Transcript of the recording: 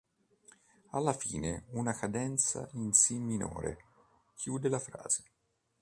Alla fine una cadenza in si minore chiude la frase.